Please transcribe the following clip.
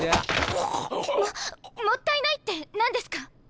おごっ！ももったいないって何ですか！？